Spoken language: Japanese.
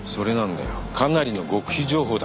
かなりの極秘情報だったんだ。